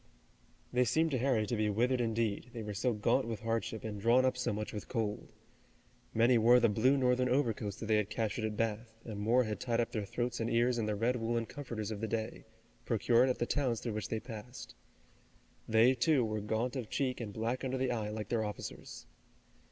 They seemed to Harry to be withered indeed, they were so gaunt with hardship and drawn up so much with cold. Many wore the blue Northern overcoats that they had captured at Bath, and more had tied up their throats and ears in the red woolen comforters of the day, procured at the towns through which they passed. They, too, were gaunt of cheek and black under the eye like their officers.